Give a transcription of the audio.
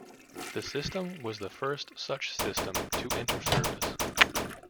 The system was the first such system to enter service.